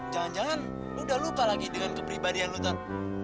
jangan jangan lu udah lupa lagi dengan kepribadian lu ton